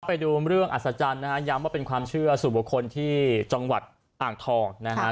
ไปดูเรื่องอัศจรรย์นะฮะย้ำว่าเป็นความเชื่อสู่บุคคลที่จังหวัดอ่างทองนะฮะ